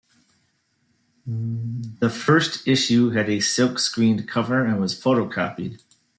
The first issue had a silk-screened cover and was photocopied.